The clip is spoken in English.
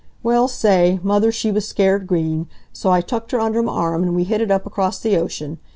"Well say, mother she was scared green. So I tucked her under m' arm, and we hit it up across the ocean.